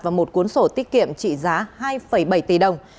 và một cuốn sổ tiết kiệm trị giá hai bảy tỷ đồng